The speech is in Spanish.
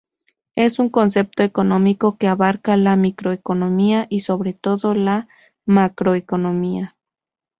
Es un concepto económico que abarca la microeconomía y, sobre todo, la macroeconomía.